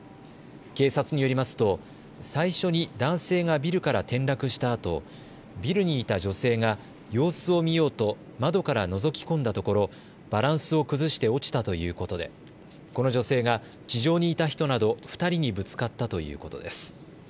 警察によりますと最初に男性がビルから転落したあとビルにいた女性が様子を見ようと窓からのぞき込んだところバランスを崩して落ちたということでこの女性が地上にいた人など２人にぶつかったということです。